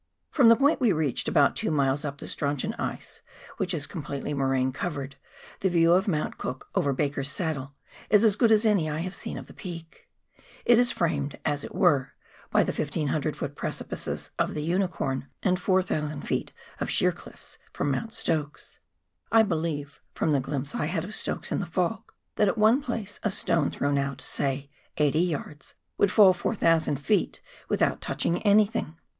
From the point we reached about two miles up the Strauchon ice, which is com pletely moraine covered, the view of Mount Cook over Baker's Saddle is as good as any I have seen of the peak. It is framed, as it were, by the 1,500 ft. precipices of the Unicorn and 4,000 ft. of sheer cliffs from Mount Stokes. I believe, from the glimpse I had of Stokes in the fog, that at one place a stone thrown out, say, eighty yards, would fall 4,000 ft. without touching anything.